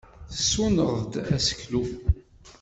Tessuneɣ-d aseklu.